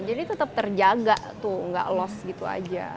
jadi tetap terjaga tuh gak lost gitu aja